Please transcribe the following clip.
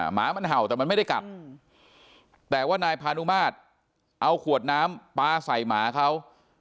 หมามันเห่าแต่มันไม่ได้กัดแต่ว่านายพานุมาตรเอาขวดน้ำปลาใส่หมาเขา